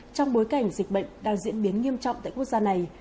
trong bối cảnh dịch bệnh đang diễn biến nghiêm trọng tại quốc gia này